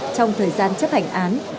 trong thời gian chấp hành án